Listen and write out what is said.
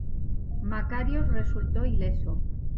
Makarios resultó ileso.